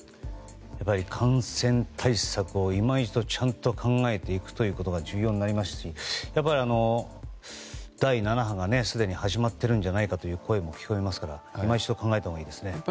やっぱり感染対策を今一度ちゃんと考えていくということが重要になりますし第７波がすでに始まってるんじゃないかという声も聞こえますから今一度考えたほうがいいですね。